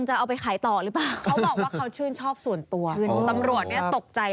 โอ้โฮเป็นต่อเลยสิฮะ